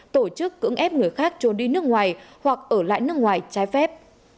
tổ chức cưỡng ép người khác trốn đi nước ngoài hoặc ở lại nước ngoài trái phép